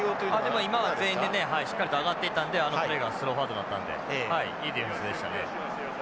でも今は全員でねしっかりと上がっていたんであのプレーがスローフォワードだったんでいいディフェンスでしたね。